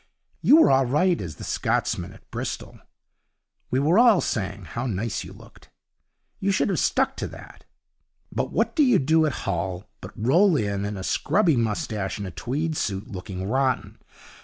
You were all right as the Scotchman at Bristol. We were all saying how nice you looked. You should have stuck to that. But what do you do at Hull but roll in in a scrubby moustache and a tweed suit, looking rotten.